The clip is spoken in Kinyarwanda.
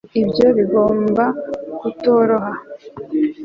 ibyo bigomba kutoroha